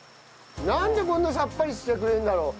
なんでこんなさっぱりしてくれるんだろう？